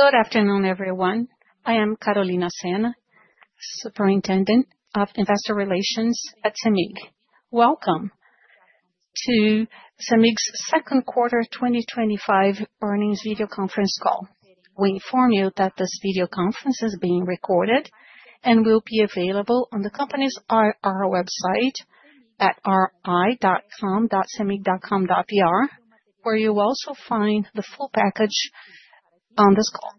Good afternoon, everyone. I am Carolina Senna, Superintendent of Investor Relations at CEMIG. Welcome to CEMIG's Second Quarter 2025 Earnings Video Conference Call. We inform you that this video conference is being recorded and will be available on the company's IR website at ri.firm@cemig.com.br, where you will also find the full package on this call.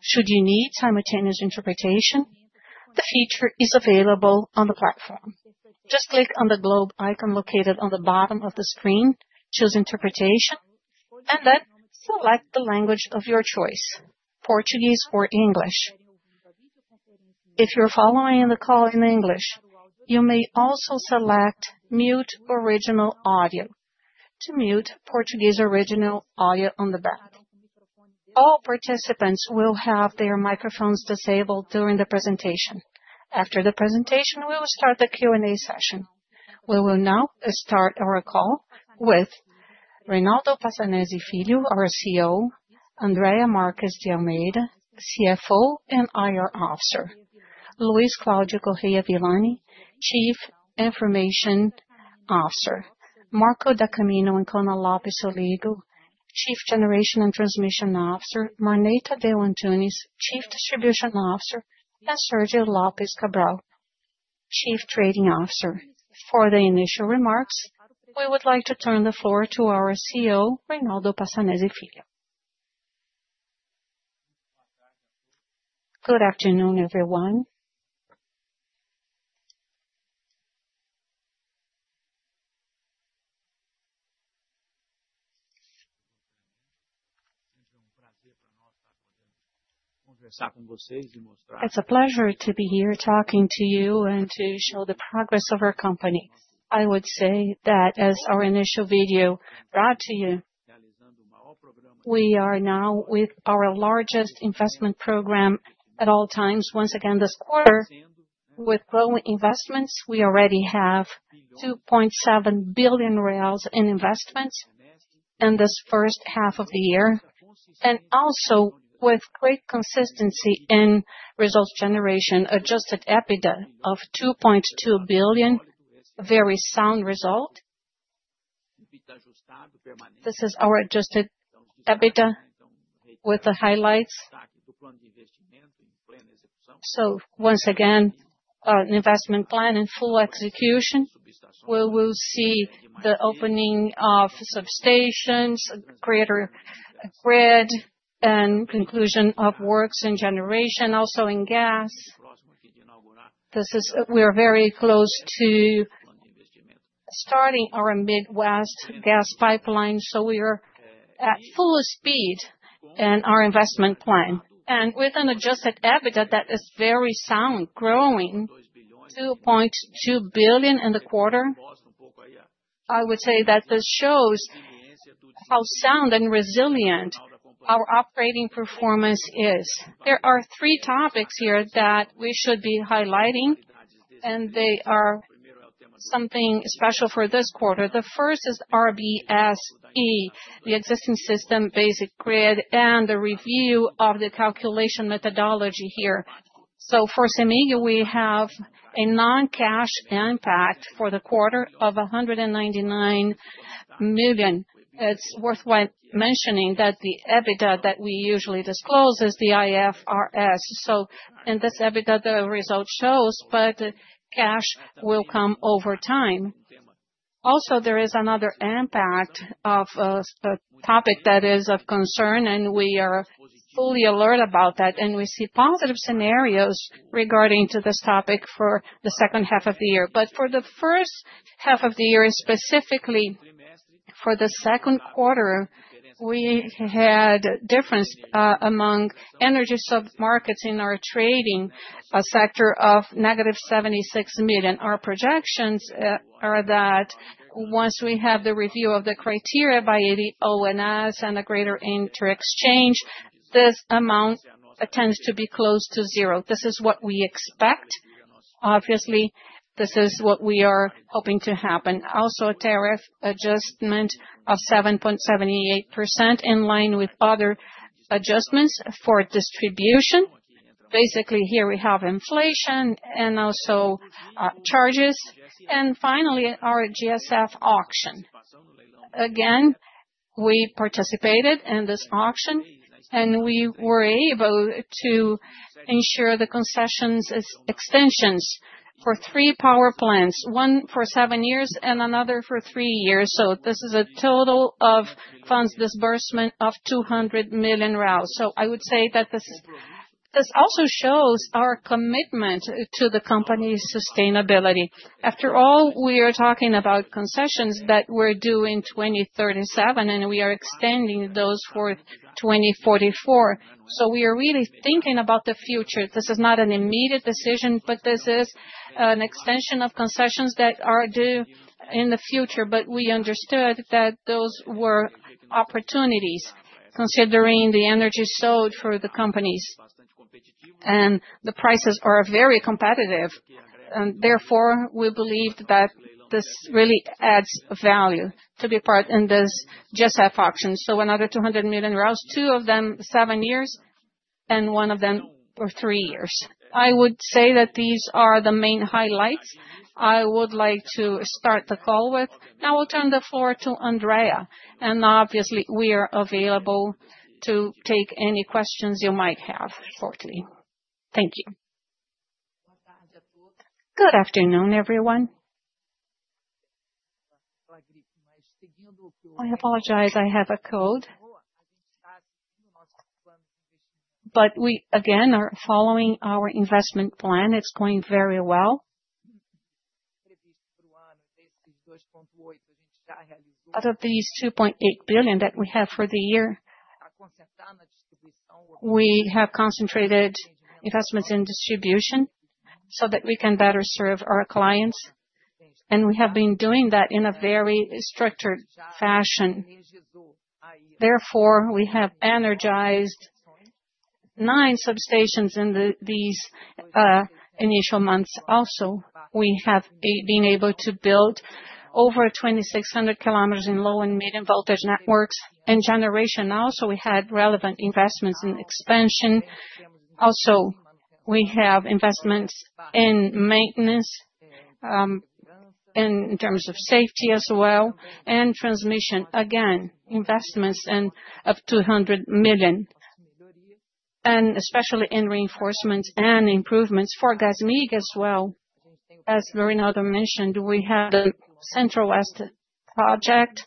Should you need simultaneous interpretation, the feature is available on the platform. Just click on the globe icon located on the bottom of the screen, choose Interpretation, and then select the language of your choice: Portuguese or English. If you're following the call in English, you may also select Mute Original Audio to mute Portuguese original audio on the back. All participants will have their microphones disabled during the presentation. After the presentation, we will start the Q&A session. We will now start our call with Reynaldo Passanezi Filho, our CEO; Andrea Marques de Almeida, CFO and IR Officer; Luis Cláudio Correa Villani, Chief Information Officer; Marco da Camino Ancona Lopez Soligo, Chief Generation and Transmission Officer; Marney Tadeu Antunes, Chief Distribution Officer; and Sergio Lopes Cabral, Chief Trading Officer. For the initial remarks, we would like to turn the floor to our CEO, Reynaldo Passanezi Filho. Good afternoon, everyone. It's a pleasure to be here talking to you and to show the progress of our company. I would say that as our initial video brought to you, we are now with our largest investment program at all times once again this quarter. With growing investments, we already have 2.7 billion reais in investments in this first half of the year, and also with great consistency in results generation, adjusted EBITDA of 2.2 billion, a very sound result. This is our adjusted EBITDA with the highlights. Once again, an investment plan in full execution. We will see the opening of substations, greater grid, and conclusion of works in generation, also in gas. We are very close to starting our Midwest gas pipeline, so we are at full speed in our investment plan. With an adjusted EBITDA that is very sound, growing 2.2 billion in the quarter, I would say that this shows how sound and resilient our operating performance is. There are three topics here that we should be highlighting, and they are something special for this quarter. The first is RBSE, the Existing System Basic Grid, and the review of the calculation methodology here. For CEMIG, we have a non-cash impact for the quarter of 199 million. It's worthwhile mentioning that the EBITDA that we usually disclose is the IFRS, and this EBITDA result shows, but cash will come over time. Also, there is another impact of a topic that is of concern, and we are fully alert about that, and we see positive scenarios regarding this topic for the second half of the year. For the first half of the year, specifically for the second quarter, we had a difference among energy submarkets in our trading sector of negative 76 million. Our projections are that once we have the review of the criteria by ONS and the Greater Interexchange, this amount tends to be close to zero. This is what we expect. Obviously, this is what we are hoping to happen. Also, a tariff adjustment of 7.78% in line with other adjustments for distribution. Basically, here we have inflation and also charges. Finally, our GSF auction. Again, we participated in this auction, and we were able to ensure the concessions extensions for three power plants, one for seven years and another for three years. This is a total of funds disbursement of 200 million. I would say that this also shows our commitment to the company's sustainability. After all, we are talking about concessions that were due in 2037, and we are extending those for 2044. We are really thinking about the future. This is not an immediate decision, but this is an extension of concessions that are due in the future. We understood that those were opportunities considering the energy sold for the companies, and the prices are very competitive. Therefore, we believe that this really adds value to be part in this GSF auction. Another 200 million, two of them seven years, and one of them for three years. I would say that these are the main highlights I would like to start the call with. Now, we'll turn the floor to Andrea, and obviously, we are available to take any questions you might have. Thank you. Good afternoon, everyone. I apologize, I have a cold. We, again, are following our investment plan. It's going very well. Out of these 2.8 billion that we have for the year, we have concentrated investments in distribution so that we can better serve our clients, and we have been doing that in a very structured fashion. We have energized nine substations in these initial months. We have been able to build over 2,600 kilometers in low and medium voltage networks and generation now. We had relevant investments in expansion. We have investments in maintenance in terms of safety as well and transmission. Investments of BRL 200 million, especially in reinforcements and improvements for GasMIG as well. As Reynaldo mentioned, we had a Midwest project,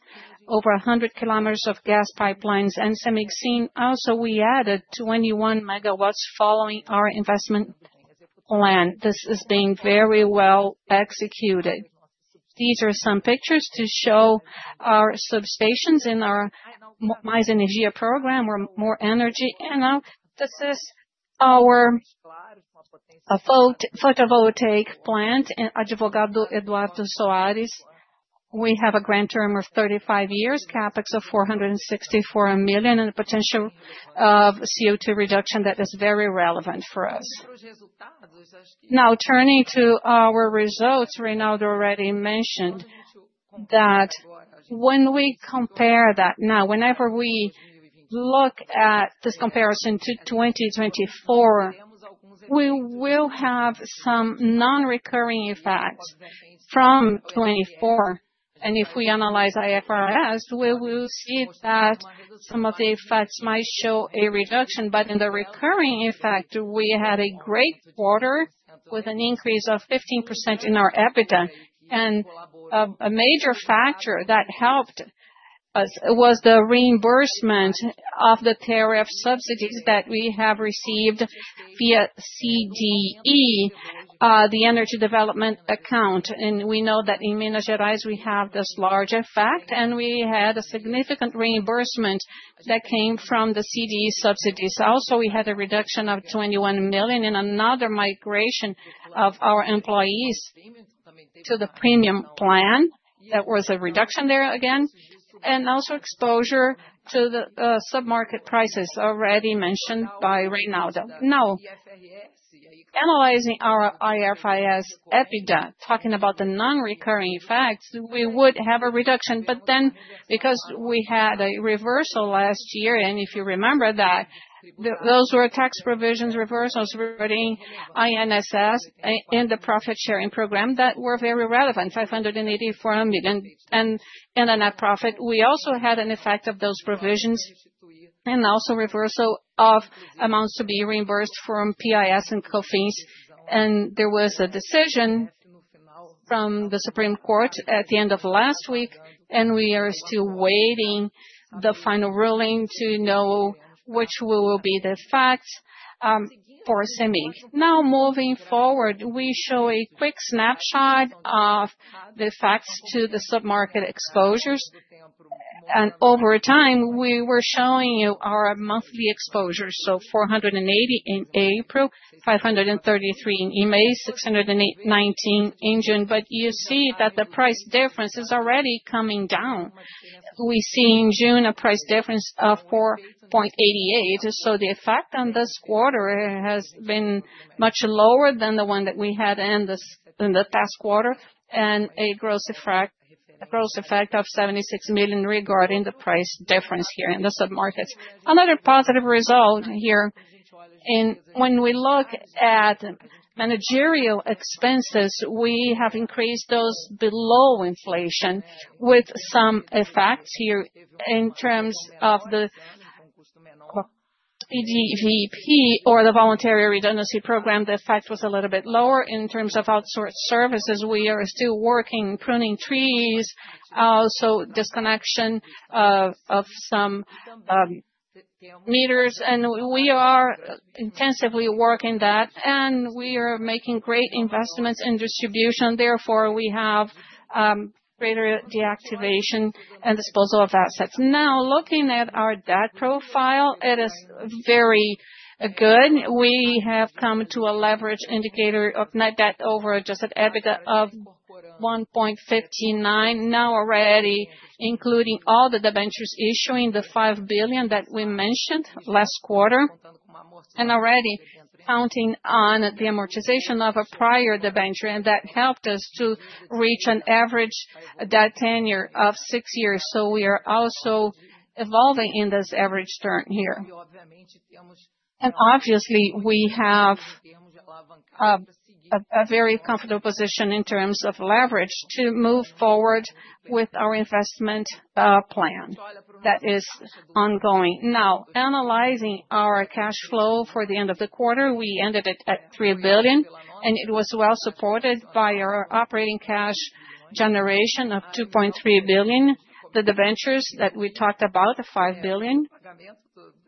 over 100 kilometers of gas pipelines and some mixing. We added 21 MW following our investment plan. This is being very well executed. These are some pictures to show our substations in our Mais Energia program or More Energy. This is our photovoltaic plant in Advogado Eduardo Soares. We have a grant term of 35 years, CapEx of 464 million, and the potential of CO2 reduction that is very relevant for us. Now, turning to our results, Reynaldo already mentioned that when we compare that now, whenever we look at this comparison to 2024, we will have some non-recurring effects from 2024. If we analyze IFRS, we will see that some of the effects might show a reduction. In the recurring effect, we had a great quarter with an increase of 15% in our EBITDA. A major factor that helped us was the reimbursement of the tariff subsidies that we have received via CDE, the Energy Development Account. We know that in Minas Gerais, we have this large effect, and we had a significant reimbursement that came from the CDE subsidies. We also had a reduction of 21 million in another migration of our employees to the premium plan. That was a reduction there again. We also had exposure to the submarket prices already mentioned by Reynaldo. Now, analyzing our IFRS EBITDA, talking about the non-recurring effects, we would have a reduction. Because we had a reversal last year, and if you remember that, those were tax provisions, reversals regarding INSS in the profit-sharing program that were very relevant, 584 million. In net profit, we also had an effect of those provisions and also reversal of amounts to be reimbursed from PIS and COFINS. There was a decision from the Supreme Court at the end of last week, and we are still waiting for the final ruling to know which will be the facts for CEMIG. Now, moving forward, we show a quick snapshot of the facts to the submarket exposures. Over time, we were showing you our monthly exposures: 480 million in April, 533 million in May, 619 million in June. You see that the price difference is already coming down. We see in June a price difference of 4.88. The effect on this quarter has been much lower than the one that we had in the past quarter, and a gross effect of 76 million regarding the price difference here in the submarkets. Another positive result here, when we look at managerial expenses, we have increased those below inflation with some effects here in terms of the EDVP or the Voluntary Redundancy Program. The effect was a little bit lower in terms of outsourced services. We are still working on pruning trees, also disconnection of some meters. We are intensively working on that, and we are making great investments in distribution. Therefore, we have greater deactivation and disposal of assets. Now, looking at our debt profile, it is very good. We have come to a leverage indicator of net debt over adjusted EBITDA of 1.59x, now already including all the debentures issuing, the 5 billion that we mentioned last quarter, and already counting on the amortization of a prior debenture. That helped us to reach an average debt tenure of six years. We are also evolving in this average term here. Obviously, we have a very comfortable position in terms of leverage to move forward with our investment plan that is ongoing. Now, analyzing our cash flow for the end of the quarter, we ended it at 3 billion, and it was well supported by our operating cash generation of 2.3 billion. The debentures that we talked about, 5 billion,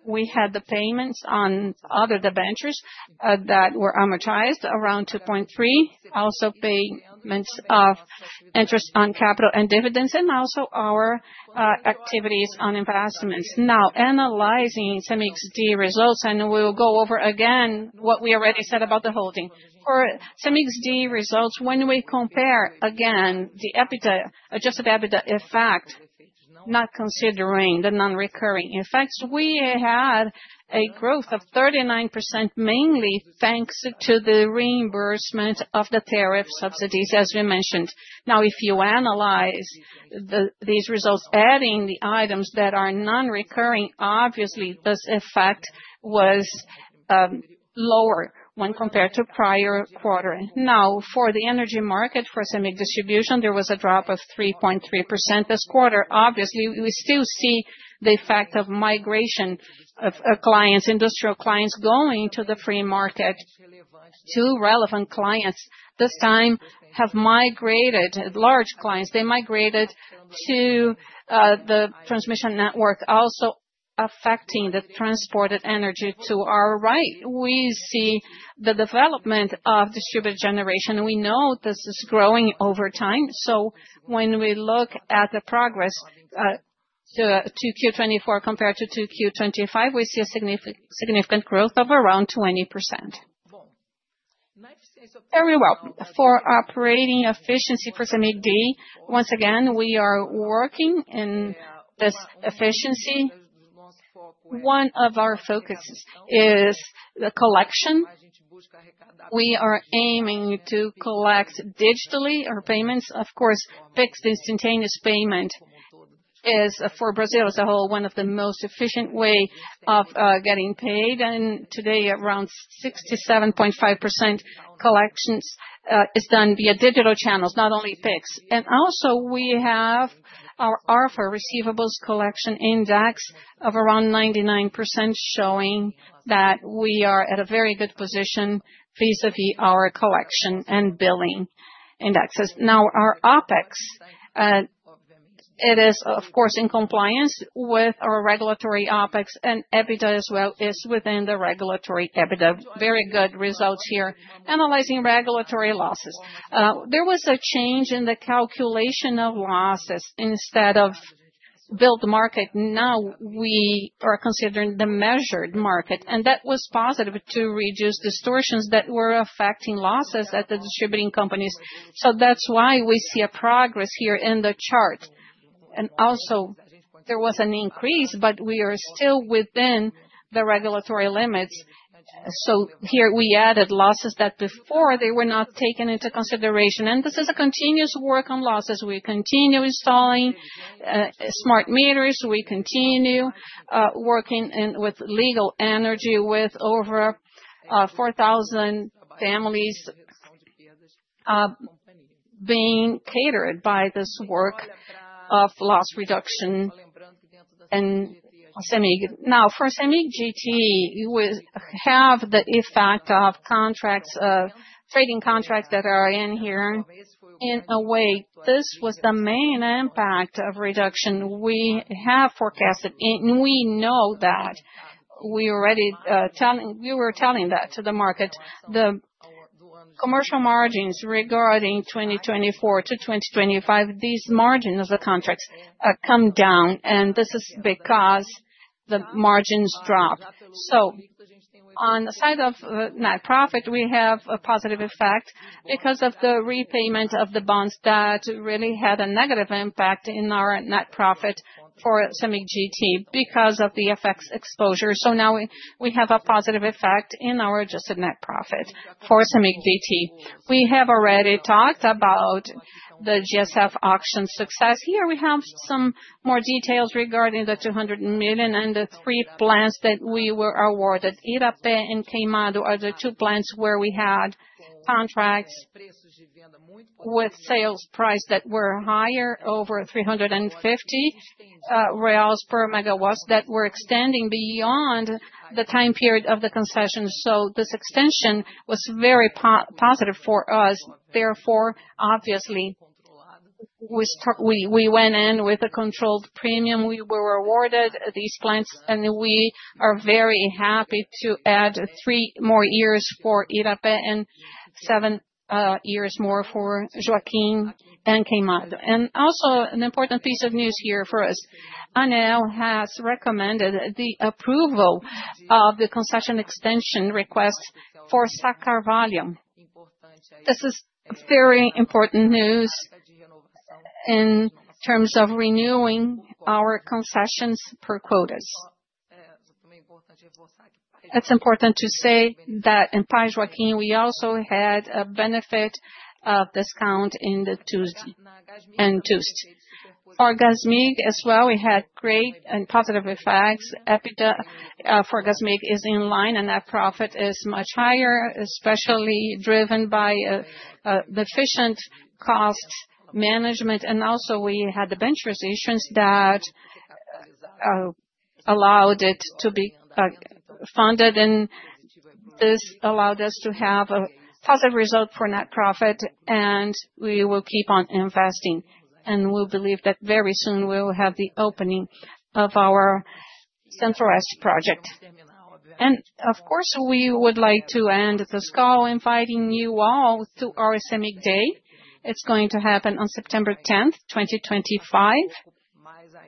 we had the payments on other debentures that were amortized around 2.3 billion, also payments of interest on capital and dividends, and also our activities on investments. Now, analyzing CEMIG's D results, and we'll go over again what we already said about the holding. For CEMIG's D results, when we compare again the adjusted EBITDA effect, not considering the non-recurring effects, we had a growth of 39%, mainly thanks to the reimbursement of the tariff subsidies, as we mentioned. If you analyze these results, adding the items that are non-recurring, obviously, this effect was lower when compared to prior quarter. Now, for the energy market, for CEMIG's distribution, there was a drop of 3.3% this quarter. Obviously, we still see the effect of migration of clients, industrial clients going to the free market. Two relevant clients this time have migrated, large clients. They migrated to the transmission network, also affecting the transported energy. To our right, we see the development of distributed generation. We know this is growing over time. When we look at the progress to Q2 2024 compared to Q2 2025, we see a significant growth of around 20%. Very well. For operating efficiency for CEMIG D. once again, we are working in this efficiency. One of our focuses is the collection. We are aiming to collect digitally our payments. Of course, PIX, instantaneous payment, is for Brazil as a whole, one of the most efficient ways of getting paid. Today, around 67.5% collections are done via digital channels, not only PIX. We have our RFR receivables collection index of around 99%, showing that we are at a very good position vis-à-vis our collection and billing indexes. Our OpEx, it is, of course, in compliance with our regulatory OPEX, and EBITDA as well is within the regulatory EBITDA. Very good results here. Analyzing regulatory losses, there was a change in the calculation of losses instead of built market. Now, we are considering the measured market, and that was positive to reduce distortions that were affecting losses at the distributing companies. That's why we see a progress here in the chart. There was an increase, but we are still within the regulatory limits. Here we added losses that before were not taken into consideration. This is a continuous work on losses. We continue installing smart meters. We continue working with legal energy, with over 4,000 families being catered by this work of loss reduction in CEMIG. For CEMIG GT, you have the effect of trading contracts that are in here. In a way, this was the main impact of reduction we have forecasted. We know that we were telling that to the market, the commercial margins regarding 2024 to 2025, these margins of the contracts come down. This is because the margins drop. On the side of net profit, we have a positive effect because of the repayment of the bonds that really had a negative impact in our net profit for CEMIG GT because of the FX exposure. Now we have a positive effect in our adjusted net profit for CEMIG GT. We have already talked about the GSF auction success. Here we have some more details regarding the $200 million and the three plants that we were awarded. Irapé and Queimado are the two plants where we had contracts with sales price that were higher, over 350 reais per megawatt, that were extending beyond the time period of the concession. This extension was very positive for us. Therefore, obviously, we went in with a controlled premium. We were awarded these plants, and we are very happy to add three more years for Irapé and seven years more for Joaquim and Queimado. Also, an important piece of news here for us, ANEEL has recommended the approval of the concession extension request for Sacavalli. This is very important news in terms of renewing our concessions per quotas. It's important to say that in Pai Joaquim, we also had a benefit of discount in the end use. For GASMIG as well, we had great and positive effects. EBITDA for GASMIG is in line, and net profit is much higher, especially driven by the efficient cost management. We had the bench resistance that allowed it to be funded, and this allowed us to have a positive result for net profit. We will keep on investing, and we believe that very soon we will have the opening of our Central West project. Of course, we would like to end this call inviting you all to our CEMIG Day. It's going to happen on September 10, 2025.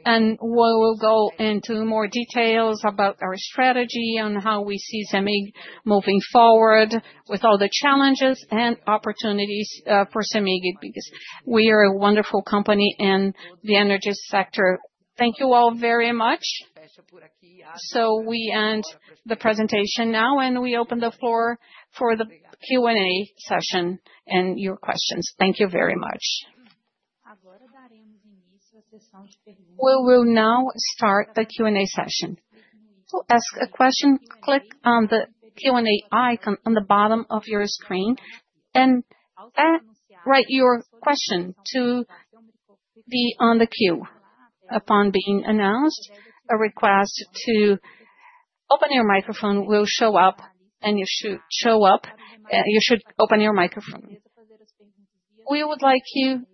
We will go into more details about our strategy on how we see CEMIG moving forward with all the challenges and opportunities for CEMIG because we are a wonderful company in the energy sector. Thank you all very much. We end the presentation now, and we open the floor for the Q&A session and your questions. Thank you very much. We will now start the Q&A session. To ask a question, click on the Q&A icon on the bottom of your screen and write your question to be on the queue. Upon being announced, a request to open your microphone will show up, and you should open your microphone. We would like you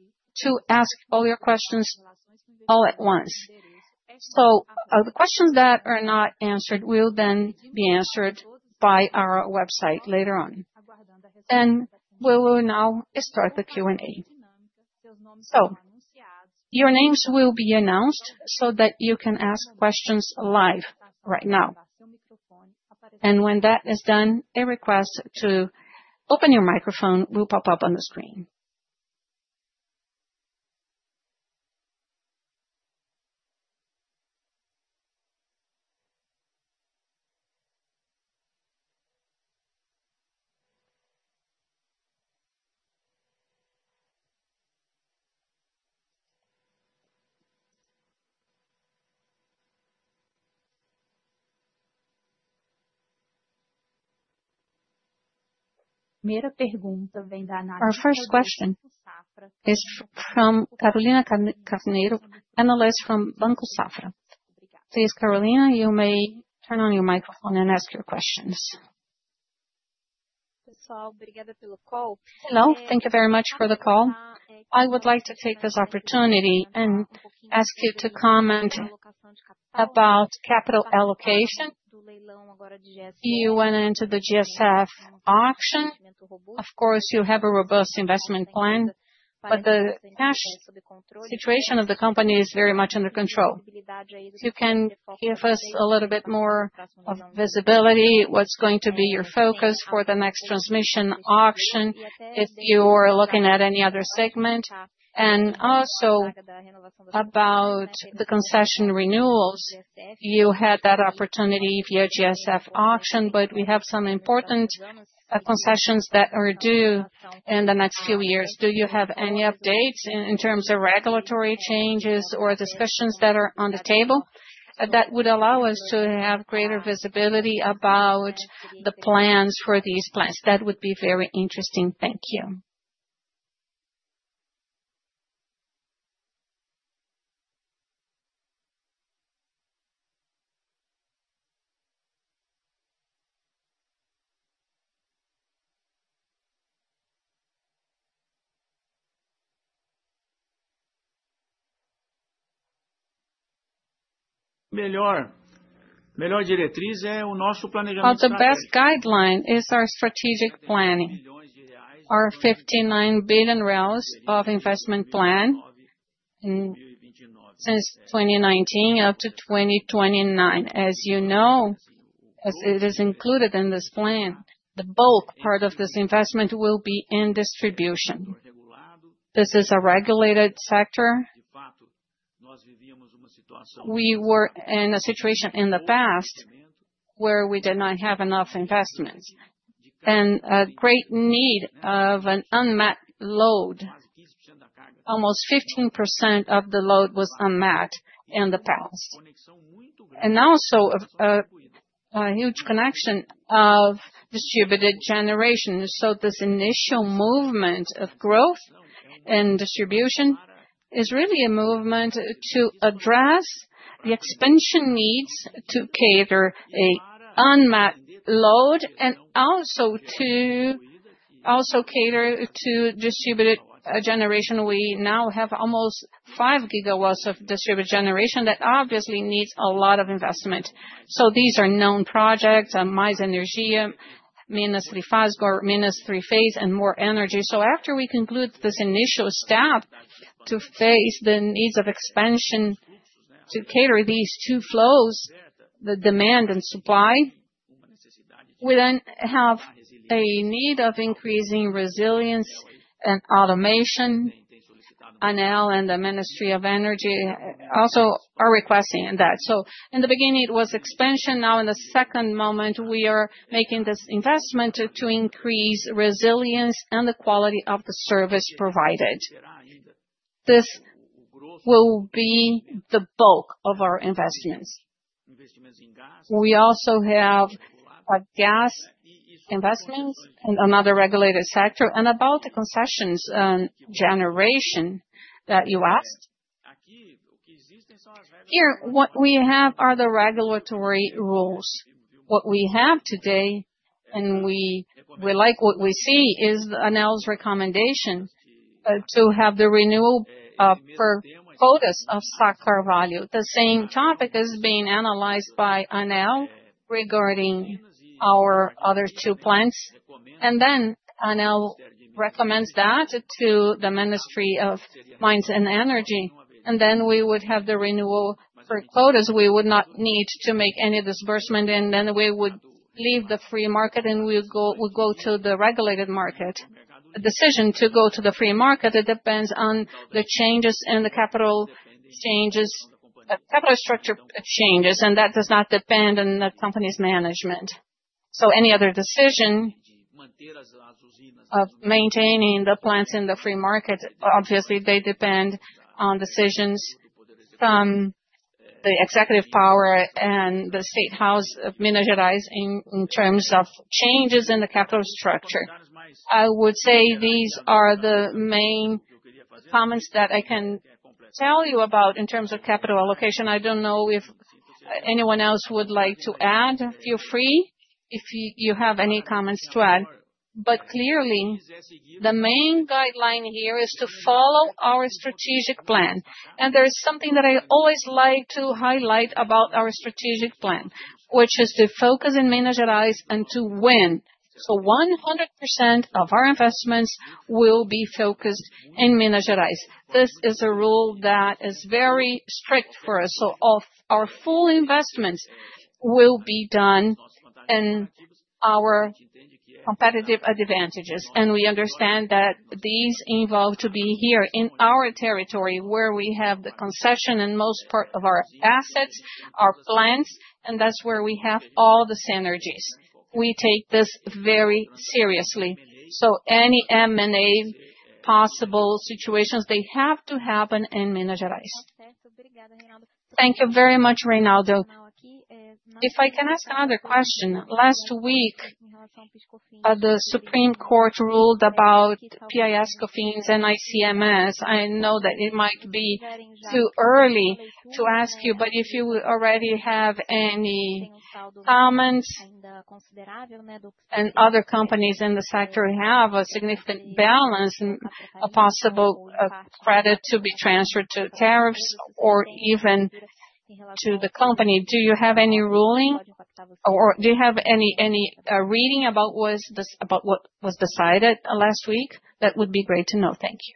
to ask all your questions all at once. The questions that are not answered will then be answered by our website later on. We will now start the Q&A. Your names will be announced so that you can ask questions live right now. When that is done, a request to open your microphone will pop up on the screen. Our first question is from Carolina Carneiro, analyst from Banco Safra. Please, Carolina, you may turn on your microphone and ask your questions. Thank you very much for the call. I would like to take this opportunity and ask you to comment about capital allocation. You went into the GSF auction. Of course, you have a robust investment plan, but the cash situation of the company is very much under control. You can give us a little bit more visibility. What's going to be your focus for the next transmission auction if you are looking at any other segment? Also, about the concession renewals, you had that opportunity via GSF auction, but we have some important concessions that are due in the next few years. Do you have any updates in terms of regulatory changes or discussions that are on the table that would allow us to have greater visibility about the plans for these plans? That would be very interesting. Thank you. Our best guideline is our strategic planning. Our 59 billion investment plan since 2019 up to 2029. As you know, as it is included in this plan, the bulk part of this investment will be in distribution. This is a regulated sector. We were in a situation in the past where we did not have enough investments and a great need of an unmet load. Almost 15% of the load was unmet in the past. Also, a huge connection of distributed generation. This initial movement of growth and distribution is really a movement to address the expansion needs to cater an unmet load and also to cater to distributed generation. We now have almost 5 GW of distributed generation that obviously needs a lot of investment. These are known projects: Mais Energia, Minas de Fazgor, Minas 3 Phase, and More Energy. After we conclude this initial step to face the needs of expansion to cater to these two flows, the demand and supply, we then have a need of increasing resilience and automation. ANEEL and the Ministry of Energy also are requesting that. In the beginning, it was expansion. Now, in the second moment, we are making this investment to increase resilience and the quality of the service provided. This will be the bulk of our investments. We also have gas investments in another regulated sector. About the concessions and generation that you asked, here what we have are the regulatory rules. What we have today, and we like what we see, is ANEEL's recommendation to have the renewal for quotas of SACAVALIUM. The same topic is being analyzed by ANEEL regarding our other two plans. ANEEL recommends that to the Ministry of Mines and Energy. We would have the renewal for quotas. We would not need to make any disbursement. We would leave the free market and we would go to the regulated market. A decision to go to the free market depends on the changes in the capital structure exchanges. That does not depend on the company's management. Any other decision of maintaining the plans in the free market, obviously, they depend on decisions from the executive power and the state house of Minas Gerais in terms of changes in the capital structure. I would say these are the main comments that I can tell you about in terms of capital allocation. I don't know if anyone else would like to add. Feel free if you have any comments to add. Clearly, the main guideline here is to follow our strategic plan. There's something that I always like to highlight about our strategic plan, which is to focus in Minas Gerais and to win. 100% of our investments will be focused in Minas Gerais. This is a rule that is very strict for us. Our full investments will be done in our competitive advantages. We understand that these involve to be here in our territory where we have the concession and most part of our assets, our plants, and that's where we have all the synergies. We take this very seriously. Any M&A possible situations, they have to happen in Minas Gerais. Thank you very much, Reynaldo. If I can ask another question, last week, the Supreme Court ruled about PIS, COFINS, and ICMS. I know that it might be too early to ask you, but if you already have any comments, and other companies in the sector have a significant balance and a possible credit to be transferred to tariffs or even to the company, do you have any ruling or do you have any reading about what was decided last week? That would be great to know. Thank you.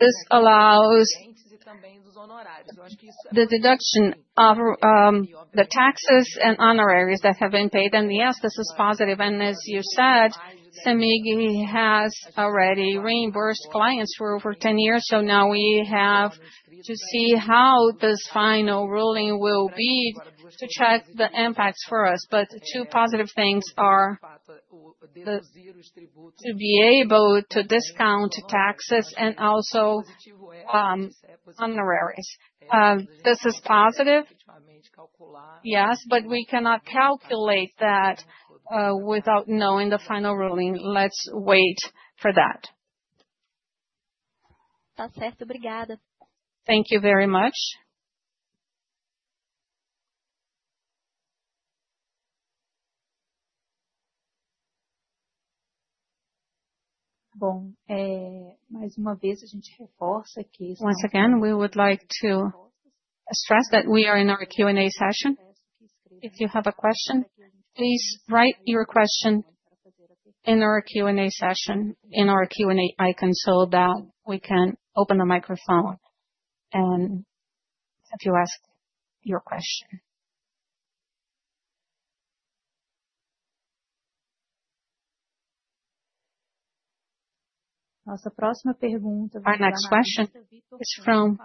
This allows the deduction of the taxes and honoraries that have been paid. Yes, this is positive. As you said, CEMIG has already reimbursed clients for over 10 years. Now we have to see how this final ruling will be to check the impacts for us. Two positive things are to be able to discount taxes and also honoraries. This is positive. We cannot calculate that without knowing the final ruling. Let's wait for that. Thank you very much. Once again, we would like to stress that we are in our Q&A session. If you have a question, please write your question in our Q&A session in our Q&A icon so that we can open the microphone and let you ask your question. Our next question is from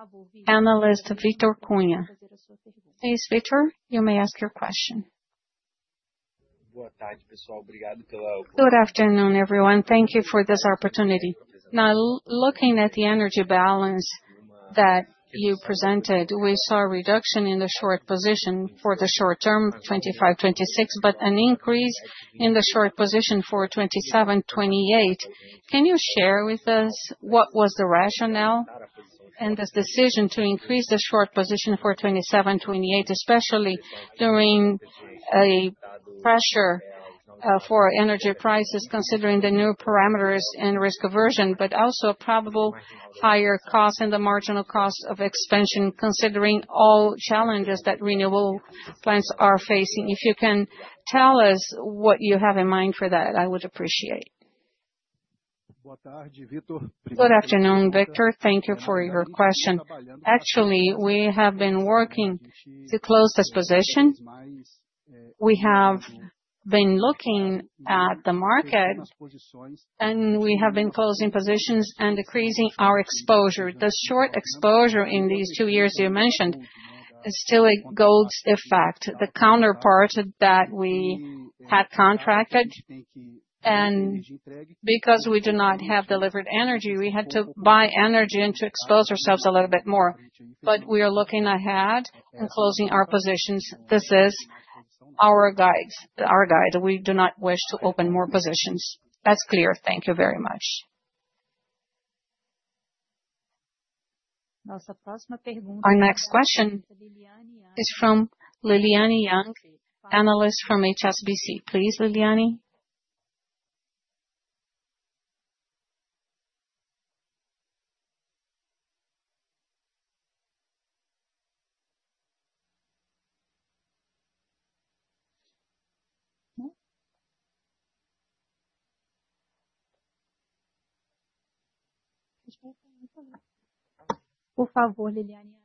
analyst Victor Cunha. Please, Victor, you may ask your question. Good afternoon, everyone. Thank you for this opportunity. Now, looking at the energy balance that you presented, we saw a reduction in the short position for the short term, 2025, 2026, but an increase in the short position for 2027, 2028. Can you share with us what was the rationale and the decision to increase the short position for 2027, 2028, especially during a pressure for energy prices, considering the new parameters and risk aversion, but also a probable higher cost and the marginal cost of expansion, considering all challenges that renewable plants are facing? If you can tell us what you have in mind for that, I would appreciate it. Good afternoon, Victor. Thank you for your question. Actually, we have been working to close this position. We have been looking at the market, and we have been closing positions and decreasing our exposure. The short exposure in these two years you mentioned is still a gold's effect, the counterpart that we had contracted. Because we do not have delivered energy, we had to buy energy and to expose ourselves a little bit more. We are looking ahead and closing our positions. This is our guide. We do not wish to open more positions. That's clear. Thank you very much. Our next question is from Liliana Yang, analyst from HSBC. Please, Liliana,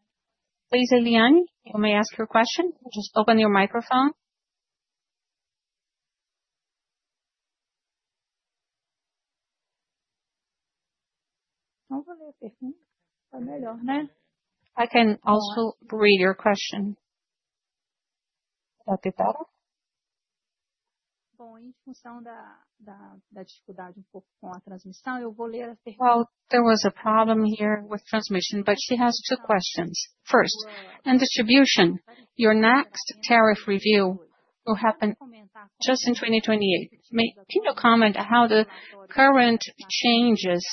you may ask your question. Just open your microphone. I can also read your question. There was a problem here with transmission, but she has two questions. First, in distribution, your next tariff review will happen just in 2028. Can you comment how the current changes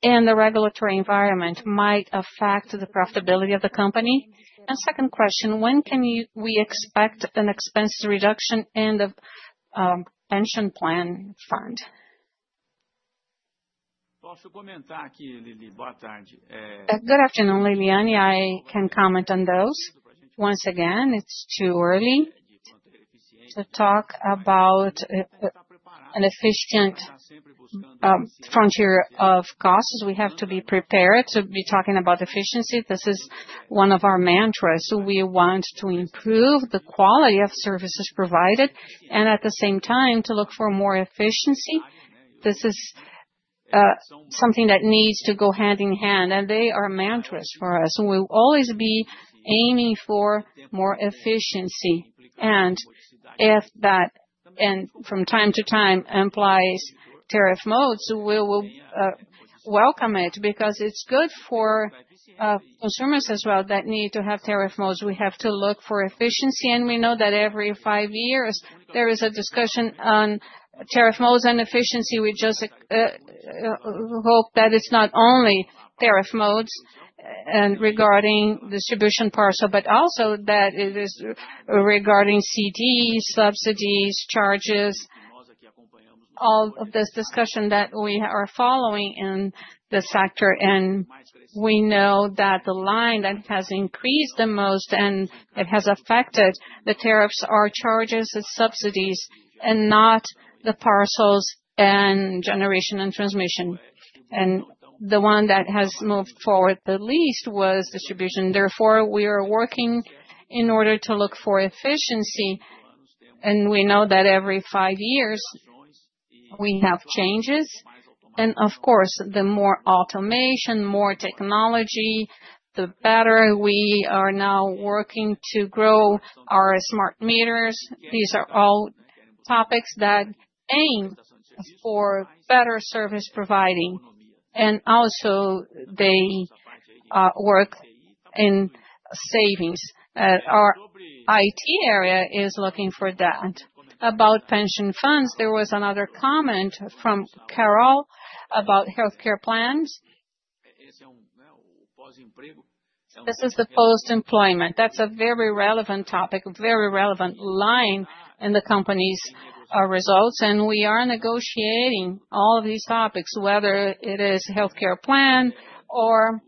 in the regulatory environment might affect the profitability of the company? Second question, when can we expect an expense reduction and a pension plan fund? Good afternoon, Liliane. I can comment on those. Once again, it's too early to talk about an efficient frontier of costs. We have to be prepared to be talking about efficiency. This is one of our mantras. We want to improve the quality of services provided, and at the same time, to look for more efficiency. This is something that needs to go hand in hand, and they are mantras for us. We'll always be aiming for more efficiency. If that, and from time to time, implies tariff modes, we will welcome it because it's good for consumers as well that need to have tariff modes. We have to look for efficiency, and we know that every five years, there is a discussion on tariff modes and efficiency. We just hope that it's not only tariff modes and regarding distribution parcel, but also that it is regarding CDs, subsidies, charges, all of this discussion that we are following in the sector. We know that the line that has increased the most and that has affected the tariffs are charges and subsidies and not the parcels and generation and transmission. The one that has moved forward the least was distribution. Therefore, we are working in order to look for efficiency. We know that every five years, we have changes. Of course, the more automation, more technology, the better. We are now working to grow our smart meters. These are all topics that aim for better service providing. They work in savings. Our IT area is looking for that. About pension funds, there was another comment from Carol about healthcare plans. This is the post-employment. That's a very relevant topic, a very relevant line in the company's results. We are negotiating all of these topics, whether it is healthcare plan or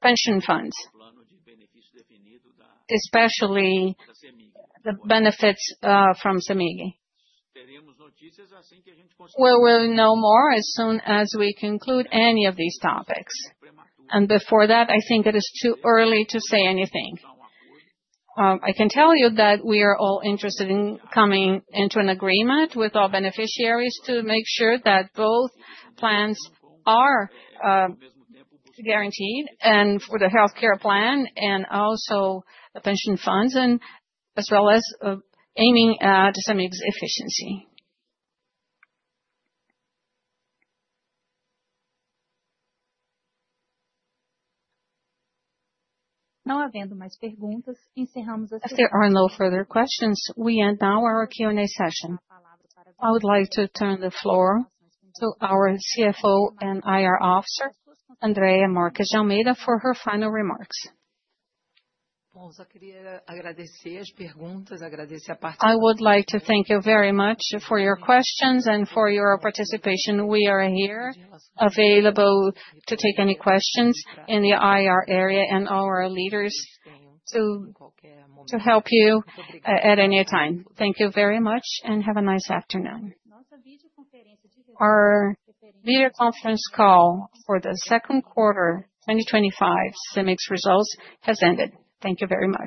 pension funds, especially the benefits from CEMIG We will know more as soon as we conclude any of these topics. Before that, I think it is too early to say anything. I can tell you that we are all interested in coming into an agreement with all beneficiaries to make sure that both plans are guaranteed, for the healthcare plan and also the pension funds, as well as aiming at CEMIG's efficiency. If there are no further questions, we end now our Q&A session. I would like to turn the floor to our CFO and IR Officer, Andrea Marques de Almeida, for her final remarks. I would like to thank you very much for your questions and for your participation. We are here available to take any questions in the IR area and our leaders to help you at any time. Thank you very much and have a nice afternoon. Our video conference call for the second quarter 2025 CEMIG's results has ended. Thank you very much.